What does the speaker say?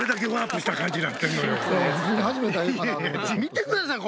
見てください